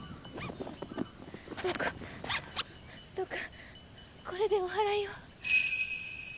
どうかどうかこれでお祓いを。